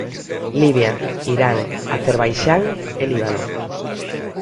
Libia, Irán, Acerbaixán e Líbano.